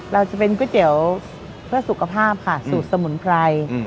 เราจะเป็นก๋วยเตี๋ยวเพื่อสุขภาพค่ะสูตรสมุนไพร